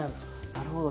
なるほど。